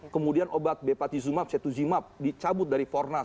kemudian obat bepatizumab cetuzimab dicabut dari fornas